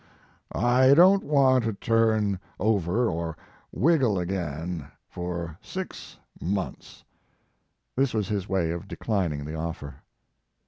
I don t want to turn over or wiggle again for six months." This was his way of declining the offer.